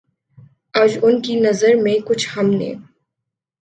آج ان کی نظر میں کچھ ہم نے